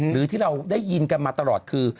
หรือที่เราได้ยินกันมาตลอดคือ